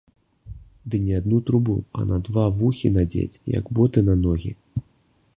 Ды не адну трубу, а на два вухі надзець, як боты на ногі!